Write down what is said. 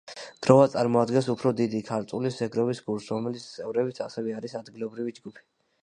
გროვა წარმოადგენს უფრო დიდი, ქალწულის ზეგროვის გულს, რომლის წევრიც ასევე არის ადგილობრივი ჯგუფი.